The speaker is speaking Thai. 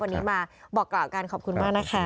วันนี้มาบอกกล่าวกันขอบคุณมากนะคะ